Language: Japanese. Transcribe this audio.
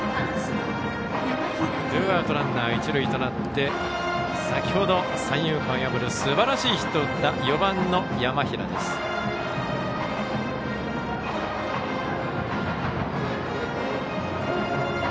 ツーアウトランナー、一塁となって先ほど三遊間を破るすばらしいヒットを打った４番の山平がバッターボックス。